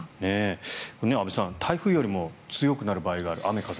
安部さん、台風よりも雨風が強くなる場合があると。